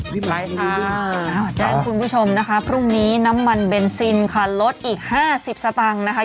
แจ้งคุณผู้ชมนะคะพรุ่งนี้น้ำมันเบนซินค่ะลดอีกห้าสิบสตางค์นะคะ